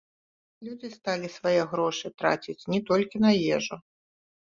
Людзі сталі свае грошы траціць не толькі на ежу.